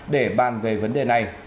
để bàn về vấn đề này